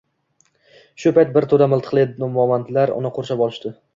Shu payt bir to’da miltiqli momand- lar uyni qurshab olishdi.